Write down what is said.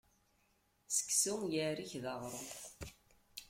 Seksu yeɛrek d aɣrum.